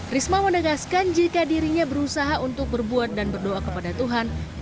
risma menegaskan jika dirinya berusaha untuk berbuat dan berdoa kepada tuhan